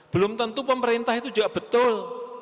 belum tentu pemerintah itu juga betul